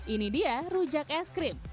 ini dia rujak es krim